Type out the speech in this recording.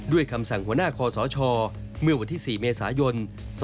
คำสั่งหัวหน้าคอสชเมื่อวันที่๔เมษายน๒๕๖